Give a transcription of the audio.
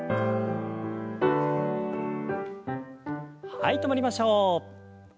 はい止まりましょう。